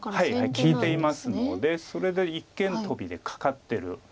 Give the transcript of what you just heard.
はい利いていますのでそれで一間トビでカカってる。